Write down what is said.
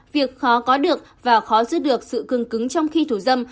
việc khó có được và khó giữ được sự cương cứng trong khi thủ dâm